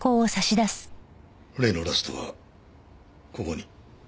例のラストはここに？